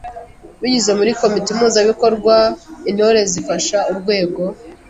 Binyuze muri komite mpuzabikorwa, Intore zifasha urwego